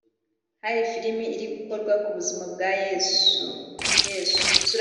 Hari filimi iri gukorwa ku buzima bwa Yezu (Yesu)